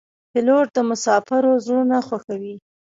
پیلوټ د مسافرو زړونه خوښوي.